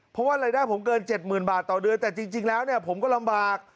เพราะว่ารายได้ผมเกิน๗๐๐๐บาทต่อเดือนแต่จริงแล้วเนี่ยผมก็ลำบาก